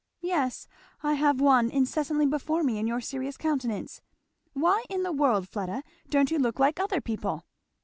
"Yes I have one incessantly before me in your serious countenance. Why in the world, Fleda, don't you look like other people?"